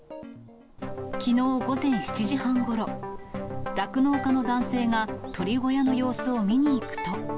きのう午前７時半ごろ、酪農家の男性が鳥小屋の様子を見にいくと。